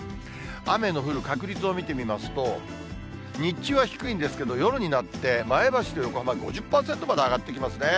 雨の降る確率を見てみますと、日中は低いんですけど、夜になって、前橋と横浜５０％まで上がってきますね。